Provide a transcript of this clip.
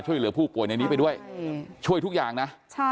ช่วยเหลือผู้ป่วยในนี้ไปด้วยช่วยทุกอย่างนะ